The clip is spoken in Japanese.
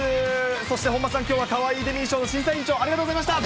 そして本間さん、きょうは、かわいいｄｅミー賞の審査委員長、ありがとうございました。